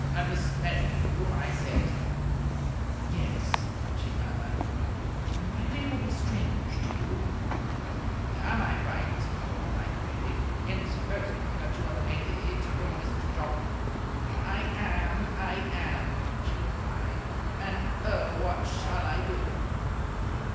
"Miss Merridew?" I said. "Yes," she murmured. "My name will be strange to you." "Am I right," I queried, "in supposing that you are the lady to whom Mr. Jopp " "I am! I am!" she replied. "And, oh, what shall I do?"